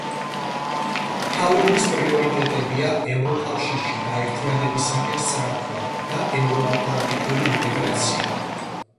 მთავრობის პრიორიტეტებია ევროკავშირში გაერთიანებისაკენ სწრაფვა და ევროატლანტიკური ინტეგრაცია.